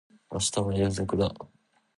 明日は遠足だ